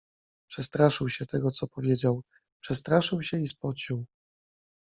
Przestraszył się tego, co powiedział; przestraszył się i spocił.